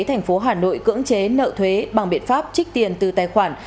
thành phố hà nội cưỡng chế nợ thuế bằng biện pháp trích tiền từ tài khoản